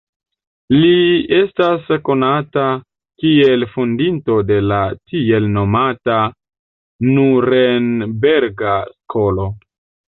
Li estas konata kiel fondinto de la tiel nomata Nurenberga Skolo.